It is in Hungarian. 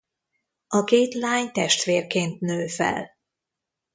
A két lány testvérként nő fel.